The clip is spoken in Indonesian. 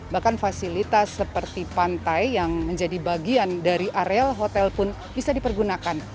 bahkan fasilitas seperti pantai yang menjadi bagian dari areal hotel pun bisa dipergunakan